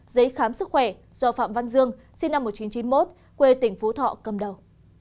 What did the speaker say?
giấy khám sức khỏe do phạm văn dương sinh năm một nghìn chín trăm chín mươi một quê tỉnh phú thọ cầm đầu